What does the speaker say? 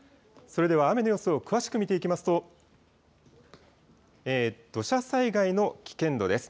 それでは、雨の様子を詳しく見ていきますと、土砂災害の危険度です。